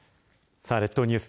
さあ列島ニュース